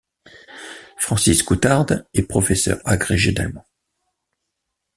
Francis Courtade est professeur agrégé d'allemand.